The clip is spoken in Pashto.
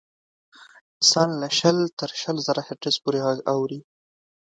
انسان له شل تر شل زرو هرتز پورې غږ اوري.